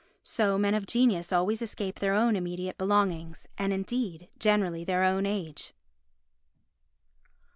So men of genius always escape their own immediate belongings, and indeed generally their own age.